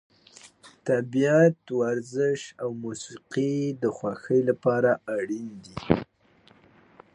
طبیعت، ورزش او موسیقي د خوښۍ لپاره اړین دي.